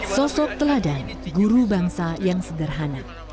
sosok teladan guru bangsa yang sederhana